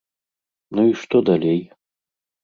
Ну і што далей?